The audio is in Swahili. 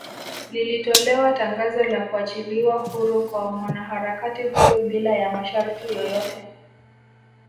Lilitolewa tangazo la kuachiliwa huru kwa mwanaharakati huyo bila ya masharti yoyote